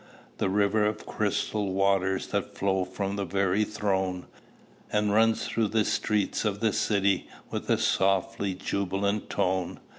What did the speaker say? The river of crystal waters That flows from the very throne, And runs through the street of the city With a softly jubilant tone?